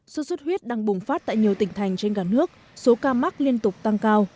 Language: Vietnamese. xuất xuất huyết đang bùng phát tại nhiều tỉnh thành trên cả nước số ca mắc liên tục tăng cao